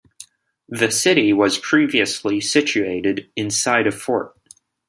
The city was previously situated inside a fort.